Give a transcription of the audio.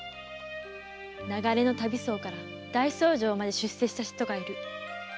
流れの旅僧から大僧正まで出世した人がいる。